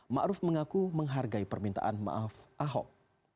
ma'ruf mengaku menghargai permintaan maaf ahok